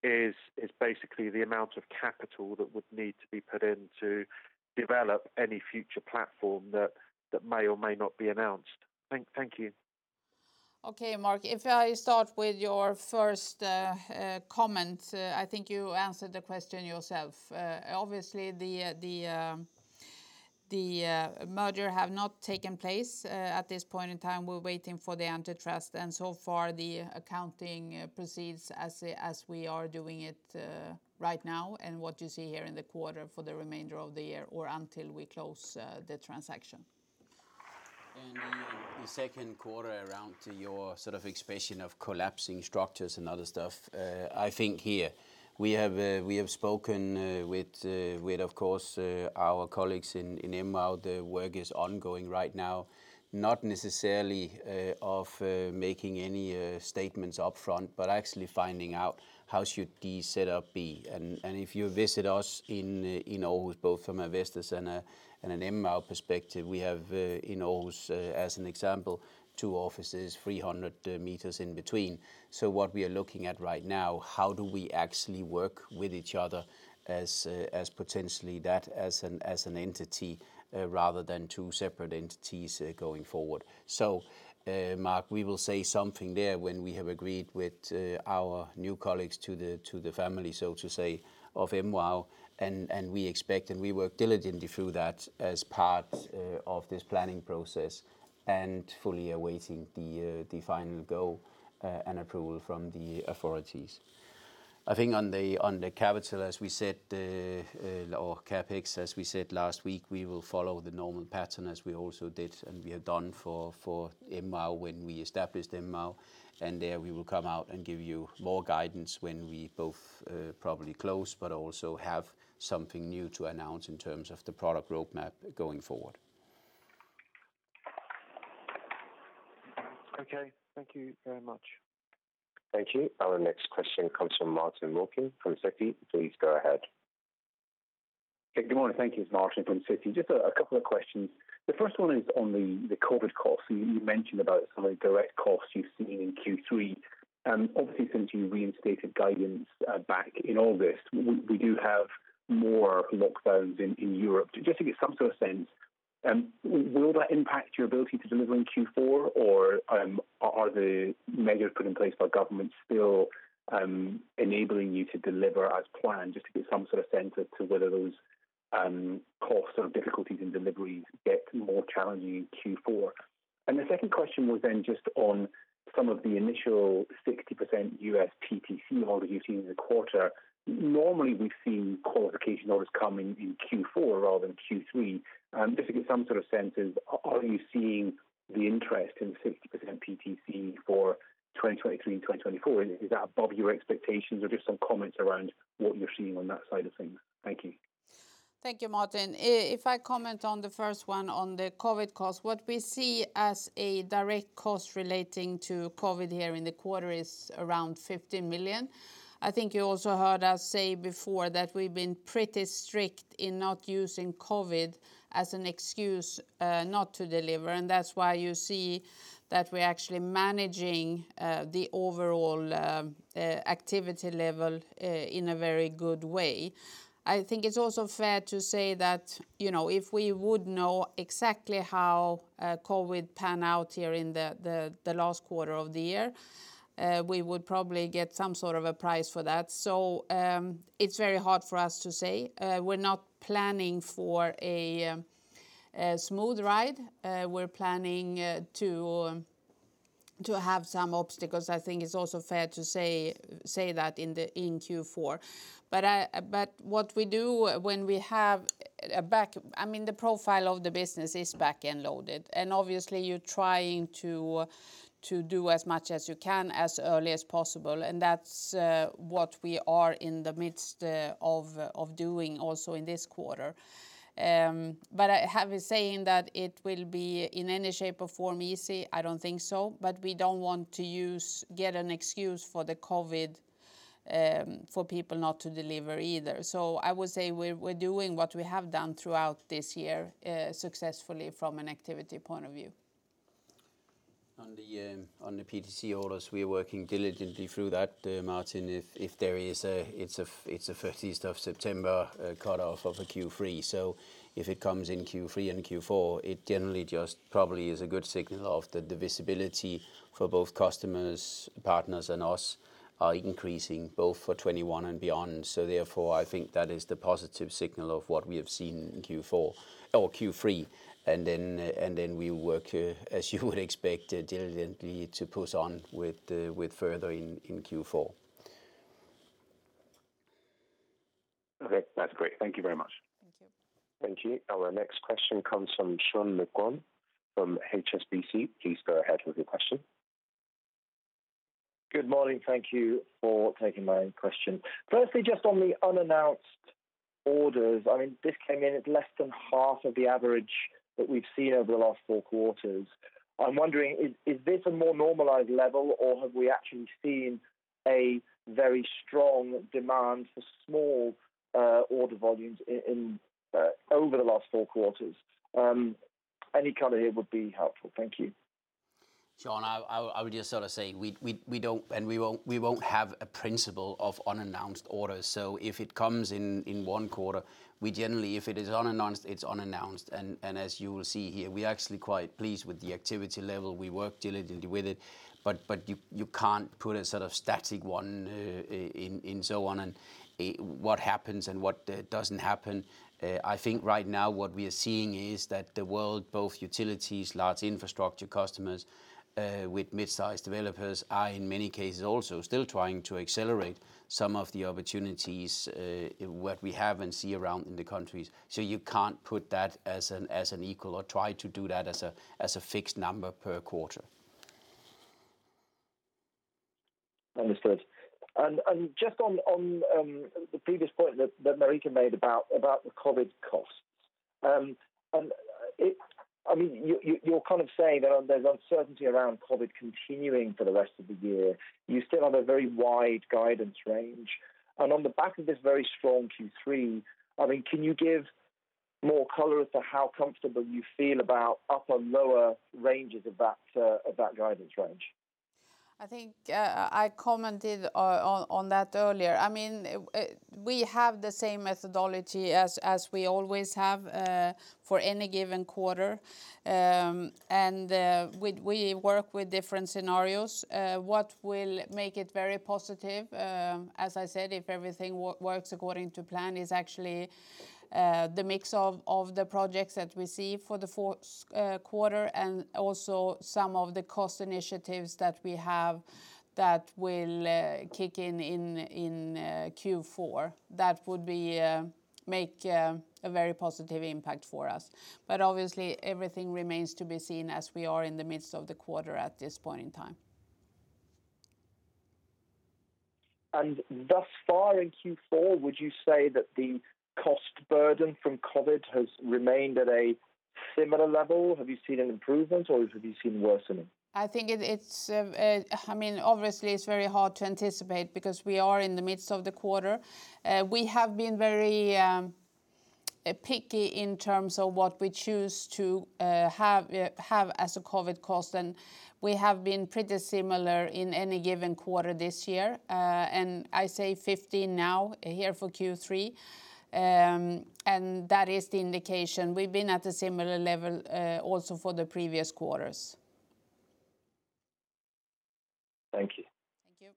is basically the amount of capital that would need to be put in to develop any future platform that may or may not be announced? Thank you. Okay, Mark. If I start with your first comment, I think you answered the question yourself. Obviously, the merger have not taken place at this point in time. We're waiting for the antitrust, and so far the accounting proceeds as we are doing it right now, and what you see here in the quarter for the remainder of the year, or until we close the transaction. The second quarter around your expression of collapsing structures and other stuff, I think here we have spoken with, of course, our colleagues in MVOW. The work is ongoing right now, not necessarily of making any statements upfront, but actually finding out how should the setup be. If you visit us in Aarhus, both from a Vestas and an MVOW perspective, we have, in Aarhus, as an example, two offices 300 m in between. What we are looking at right now, how do we actually work with each other as potentially that as an entity, rather than two separate entities going forward. Mark, we will say something there when we have agreed with our new colleagues to the family so to say, of MVOW, and we expect, and we work diligently through that as part of this planning process and fully awaiting the final go and approval from the authorities. I think on the capital, as we said, or CapEx, as we said last week, we will follow the normal pattern as we also did, and we have done for MVOW when we established MVOW. There we will come out and give you more guidance when we both probably close, but also have something new to announce in terms of the product roadmap going forward. Okay. Thank you very much. Thank you. Our next question comes from Martin Wilkie from Citi. Please go ahead. Okay. Good morning. Thank you. It's Martin from Citi. Just a couple of questions. The first one is on the COVID costs. You mentioned about some of the direct costs you've seen in Q3. Obviously, since you reinstated guidance back in August, we do have more lockdowns in Europe. Just to get some sort of sense, will that impact your ability to deliver in Q4, or are the measures put in place by government still enabling you to deliver as planned? Just to get some sort of sense as to whether those costs or difficulties in deliveries get more challenging in Q4. The second question was then just on some of the initial 60% U.S. PTC orders you've seen in the quarter. Normally, we've seen qualification orders come in Q4 rather than Q3. Just to get some sort of sense, are you seeing the interest in 60% PTC for 2023 and 2024? Is that above your expectations? Just some comments around what you're seeing on that side of things. Thank you. Thank you, Martin. If I comment on the first one on the COVID cost, what we see as a direct cost relating to COVID here in the quarter is around 50 million. I think you also heard us say before that we've been pretty strict in not using COVID as an excuse not to deliver, that's why you see that we're actually managing the overall activity level in a very good way. I think it's also fair to say that if we would know exactly how COVID pan out here in the last quarter of the year, we would probably get some sort of a price for that. It's very hard for us to say. We're not planning for a smooth ride. We're planning to have some obstacles. I think it's also fair to say that in Q4. What we do when we have a back-- The profile of the business is back-end loaded. Obviously you're trying to do as much as you can as early as possible, and that's what we are in the midst of doing also in this quarter. Having saying that, it will be, in any shape or form, easy, I don't think so. We don't want to get an excuse for the COVID for people not to deliver either. I would say we're doing what we have done throughout this year, successfully from an activity point of view. On the PTC orders, we're working diligently through that, Martin. It's a 30th of September cutoff of a Q3, so if it comes in Q3 and Q4, it generally just probably is a good signal of the visibility for both customers, partners, and us are increasing both for 2021 and beyond. Therefore, I think that is the positive signal of what we have seen in Q4 or Q3. Then we work, as you would expect, diligently to push on with further in Q4. Okay. That's great. Thank you very much. Thank you. Thank you. Our next question comes from Sean McLoughlin from HSBC. Please go ahead with your question. Good morning. Thank you for taking my question. Just on the unannounced orders, this came in at less than half of the average that we've seen over the last four quarters. I'm wondering, is this a more normalized level, or have we actually seen a very strong demand for small order volumes over the last four quarters? Any color here would be helpful. Thank you. Sean, I would just sort of say, we won't have a principle of unannounced orders. If it comes in in one quarter, we generally, if it is unannounced, it's unannounced. As you will see here, we're actually quite pleased with the activity level. We work diligently with it. You can't put a sort of static one and so on, and what happens and what doesn't happen. I think right now what we are seeing is that the world, both utilities, large infrastructure customers, with mid-size developers, are, in many cases, also still trying to accelerate some of the opportunities, what we have and see around in the countries. You can't put that as an equal or try to do that as a fixed number per quarter. Understood. Just on the previous point that Marika made about the COVID costs. You're kind of saying there's uncertainty around COVID continuing for the rest of the year. You still have a very wide guidance range. On the back of this very strong Q3, can you give more color as to how comfortable you feel about upper and lower ranges of that guidance range? I think I commented on that earlier. We have the same methodology as we always have for any given quarter. We work with different scenarios. What will make it very positive, as I said, if everything works according to plan, is actually the mix of the projects that we see for the fourth quarter and also some of the cost initiatives that we have that will kick in in Q4. That would make a very positive impact for us. Obviously, everything remains to be seen as we are in the midst of the quarter at this point in time. Thus far in Q4, would you say that the cost burden from COVID has remained at a similar level? Have you seen an improvement, or have you seen worsening? Obviously, it's very hard to anticipate because we are in the midst of the quarter. We have been very picky in terms of what we choose to have as a COVID cost, and we have been pretty similar in any given quarter this year. I say 15 now, here for Q3, and that is the indication. We've been at a similar level also for the previous quarters. Thank you. Thank you.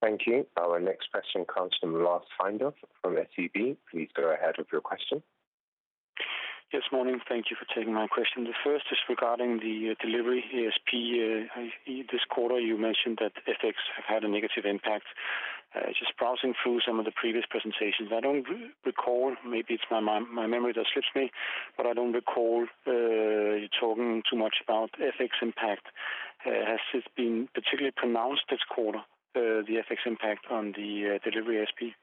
Thank you. Our next question comes from Lars Hein from SEB. Please go ahead with your question. Yes, morning. Thank you for taking my question. The first is regarding the delivery ASP. This quarter, you mentioned that FX have had a negative impact. Just browsing through some of the previous presentations, I don't recall, maybe my memory just slips me, but I don't recall you talking too much about FX impact. Has this been particularly pronounced this quarter, the FX impact on the delivery ASP?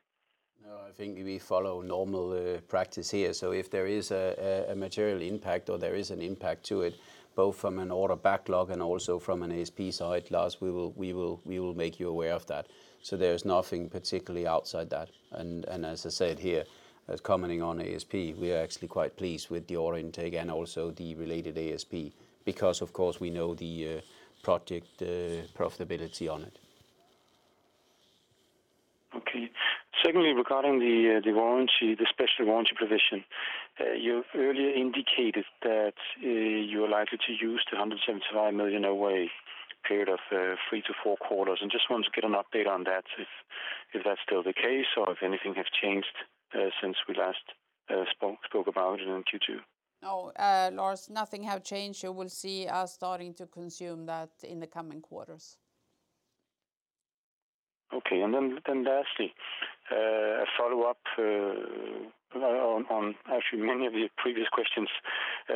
No, I think we follow normal practice here. If there is a material impact or there is an impact to it, both from an order backlog and also from an ASP side, Lars, we will make you aware of that. There's nothing particularly outside that. As I said here, commenting on ASP, we are actually quite pleased with the order intake and also the related ASP, because of course we know the project profitability on it. Okay. Secondly, regarding the special warranty provision. You've earlier indicated that you're likely to use the 175 million over a period of three to four quarters. Just want to get an update on that. Is that still the case, or has anything changed since we last spoke about it in Q2? No, Lars, nothing has changed. You will see us starting to consume that in the coming quarters. Okay. Lastly, a follow-up on actually many of the previous questions,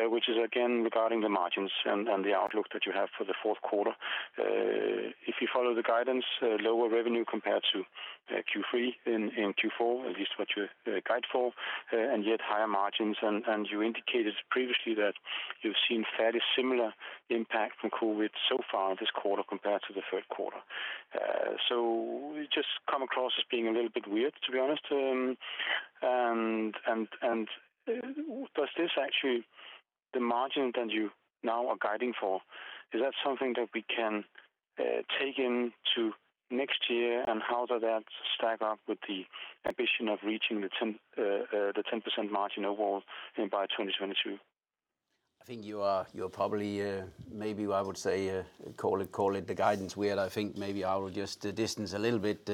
which is again regarding the margins and the outlook that you have for the fourth quarter. If you follow the guidance, lower revenue compared to Q3 and Q4, at least what you guide for, yet higher margins. You indicated previously that you've seen fairly similar impact from COVID-19 so far this quarter compared to the third quarter. It just come across as being a little bit weird, to be honest. Does this actually, the margin that you now are guiding for, is that something that we can take into next year? How does that stack up with the ambition of reaching the 10% margin overall by 2022? I think you are probably, maybe I would say, call it the guidance weird. I think maybe I would just distance a little bit,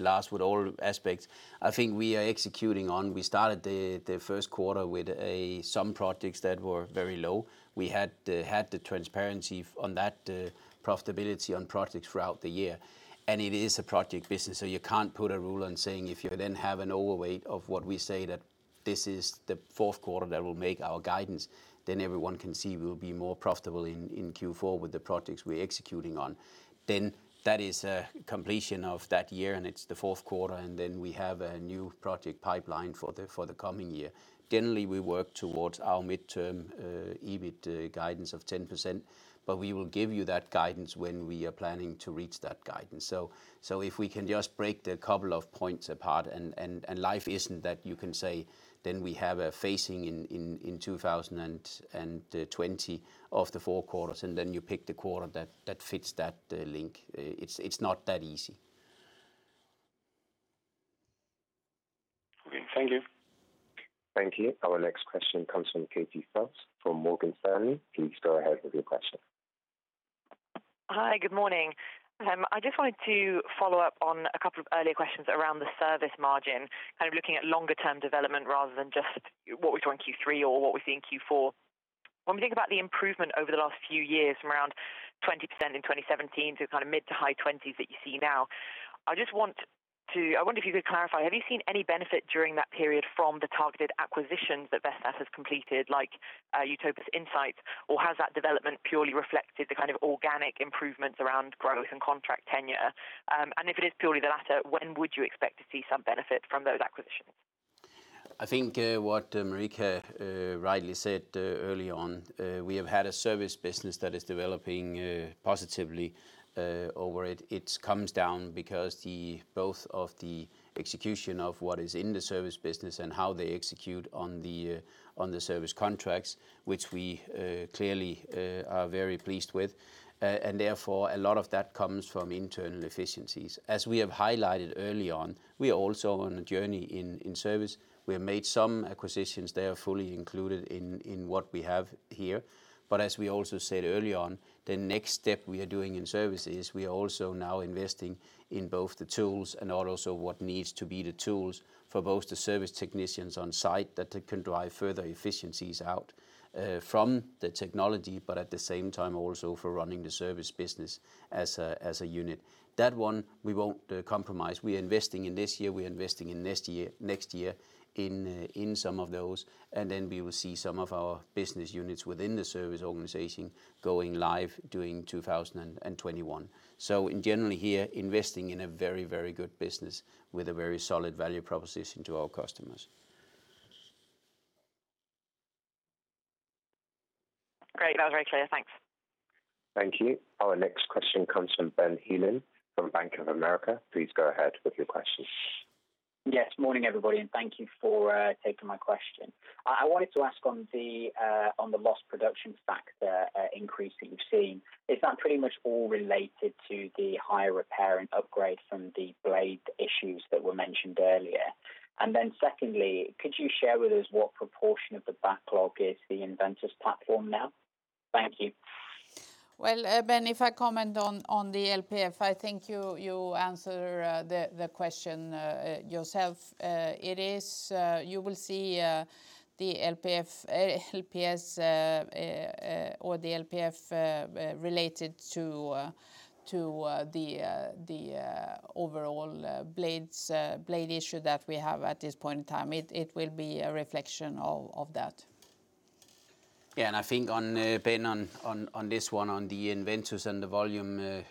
Lars, with all aspects. I think we are executing on, we started the first quarter with some projects that were very low. We had the transparency on that profitability on projects throughout the year. It is a project business, so you can't put a rule on saying if you then have an overweight of what we say that this is the fourth quarter that will make our guidance, then everyone can see we'll be more profitable in Q4 with the projects we're executing on. That is a completion of that year, and it's the fourth quarter, and then we have a new project pipeline for the coming year. Generally, we work towards our midterm EBIT guidance of 10%, but we will give you that guidance when we are planning to reach that guidance. If we can just break the couple of points apart, and life isn't that you can say, we have a phasing in 2020 of the four quarters, and then you pick the quarter that fits that link. It's not that easy. Okay, thank you. Thank you. Our next question comes from Katie Self from Morgan Stanley. Please go ahead with your question. Hi, good morning. I just wanted to follow up on a couple of earlier questions around the service margin, kind of looking at longer term development rather than just what we saw in Q3 or what we see in Q4. When we think about the improvement over the last few years from around 20% in 2017 to kind of mid to high 20s that you see now, I wonder if you could clarify, have you seen any benefit during that period from the targeted acquisitions that Vestas has completed, like Utopus Insights, or has that development purely reflected the kind of organic improvements around growth and contract tenure? If it is purely the latter, when would you expect to see some benefit from those acquisitions? I think what Marika rightly said early on, we have had a service business that is developing positively over it. It comes down because both of the execution of what is in the service business and how they execute on the service contracts, which we clearly are very pleased with. Therefore, a lot of that comes from internal efficiencies. As we have highlighted early on, we are also on a journey in service. We have made some acquisitions. They are fully included in what we have here. As we also said early on, the next step we are doing in service is we are also now investing in both the tools and also what needs to be the tools for both the service technicians on site that can drive further efficiencies out from the technology, but at the same time also for running the service business as a unit. That one we won't compromise. We are investing in this year, we're investing in next year in some of those, and then we will see some of our business units within the service organization going live during 2021. In general here, investing in a very good business with a very solid value proposition to our customers. Great. That was very clear. Thanks. Thank you. Our next question comes from Ben Heelan from Bank of America. Please go ahead with your question. Yes, morning, everybody. Thank you for taking my question. I wanted to ask on the lost production factor increase that you've seen, is that pretty much all related to the higher repair and upgrade from the blade issues that were mentioned earlier? Secondly, could you share with us what proportion of the backlog is the EnVentus platform now? Thank you. Ben, if I comment on the LPF, I think you answered the question yourself. You will see the LPS or the LPF related to the overall blade issue that we have at this point in time. It will be a reflection of that. I think, Ben, on this one, on the EnVentus and the volume,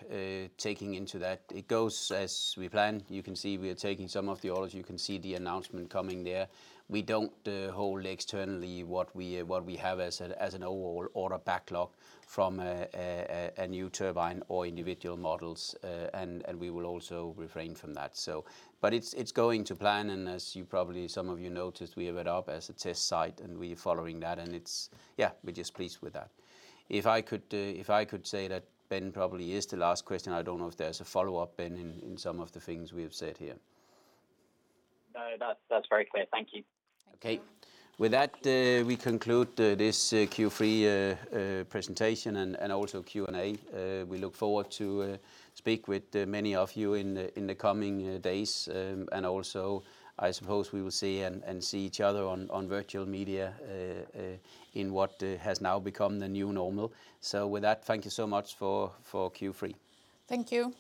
taking into that, it goes as we plan. You can see we are taking some of the orders. You can see the announcement coming there. We don't hold externally what we have as an overall order backlog from a new turbine or individual models, and we will also refrain from that. It's going to plan, and as some of you noticed, we have it up as a test site, and we are following that. Yeah, we're just pleased with that. If I could say that Ben probably is the last question. I don't know if there's a follow-up, Ben, in some of the things we have said here. No, that's very clear. Thank you. Okay. With that, we conclude this Q3 presentation and also Q&A. We look forward to speak with many of you in the coming days, and also I suppose we will see each other on virtual media, in what has now become the new normal. With that, thank you so much for Q3. Thank you.